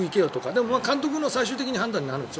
でも監督の最終的に判断になるんです。